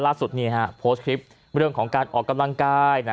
ล่าสุดโพสต์คลิปเรื่องของการออกกำลังกาย